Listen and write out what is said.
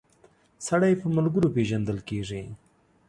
سړی په ملګرو پيژندل کیږی